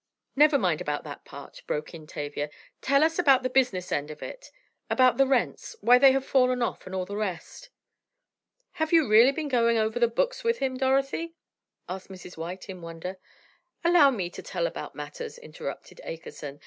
"Never mind about that part," broke in Tavia. "Tell us about the business end of it. About the rents, why they have fallen off, and all the rest." "Have you really been going over the books with him, Dorothy?" asked Mrs. White, in wonder. "Allow me to tell about matters," interrupted Akerson.